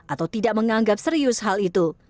atau tidak menganggap serius hal itu